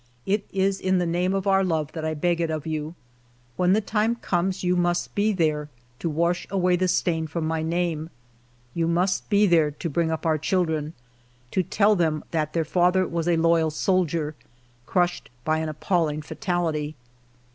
It is in the name of our love that I beg it of you. When the time comes, you must be there to wash away the stain from my name. You must be there to bring up our children ; to ALFRED DREYFUS 89 tell them that their father was a loyal soldier, crushed by an appalling fatality.